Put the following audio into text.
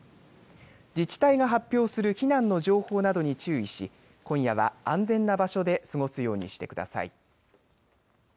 自治体が発表する避難の情報などに注意し、今夜は安全な場所で過ごすようにしてください。